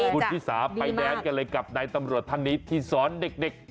คุณชิสาไปแดนกันเลยกับนายตำรวจท่านนี้ที่สอนเด็ก